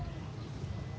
kangen sama kang komar